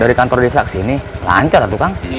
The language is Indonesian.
dari kantor desa kesini lancar tuh kang